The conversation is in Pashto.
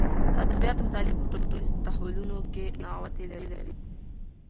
د ادبیاتو مطالعه په ټولنیز تحولونو کې نغوتې لري.